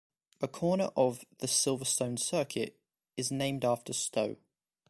A corner of the Silverstone Circuit is named after Stowe.